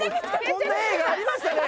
こんな映画ありましたね。